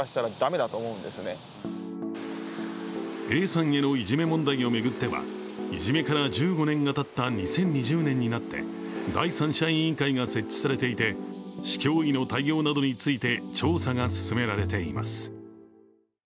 Ａさんへのいじめ問題を巡ってはいじめから１５年たった２０２０年になって第三者委員会が設置されていて市教委の対応などについて調査が進められています。